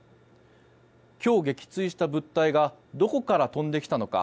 今日、撃墜した物体がどこから飛んできたのか。